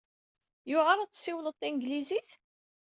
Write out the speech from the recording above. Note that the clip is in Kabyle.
Yewɛeṛ ad tessiwleḍ tanglizit?